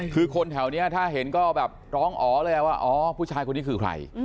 คือคนแถวนี้ถ้าเห็นก็แบบร้องอ๋อเลยว่าอ๋อผู้ชายคนนี้คือใคร